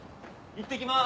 いってきます！